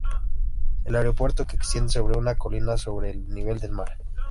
El aeropuerto se extiende sobre una colina a sobre el nivel del mar.